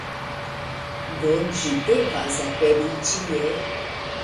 Do, ĝi devas aperi ĉie